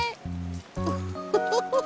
ウフフフ。